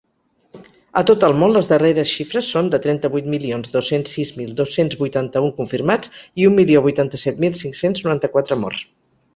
A tot el món, les darreres xifres són de trenta-vuit milions dos-cents sis mil dos-cents vuitanta-un confirmats i un milió vuitanta-set mil cinc-cents noranta-quatre morts.